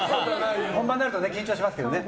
本番になると緊張しますよね。